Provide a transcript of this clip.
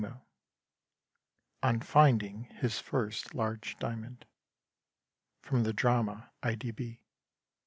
_ ON FINDING HIS FIRST LARGE DIAMOND. (_From the drama "I. D.